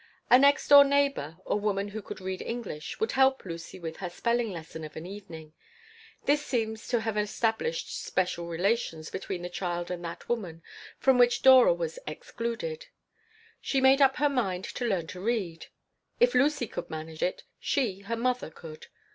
A next door neighbor, a woman who could read English, would help Lucy with her spelling lesson of an evening. This seemed to have established special relations between the child and that woman from which Dora was excluded She made up her mind to learn to read. If Lucy could manage it, she, her mother, could.